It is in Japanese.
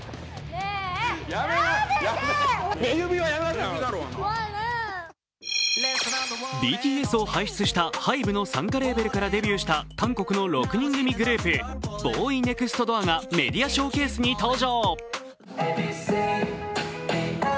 しかしＢＴＳを輩出したＨＹＢＥの傘下レーベルからデビューした韓国の６人組グループＢＯＸＮＥＸＴＤＯＯＲがメディアショーケースに登場。